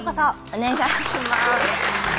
お願いします。